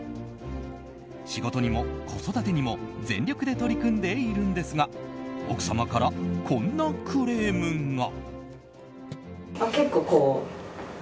仕事にも子育てにも全力で取り組んでいるんですが奥様からこんなクレームが。